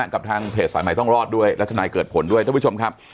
กับทางเพจสายใหม่ต้องรอดด้วยและทนายเกิดผลด้วยท่านผู้ชมครับ